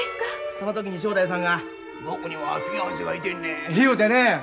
その時に正太夫さんが「僕にはフィアンセがいてんねん」言うてね。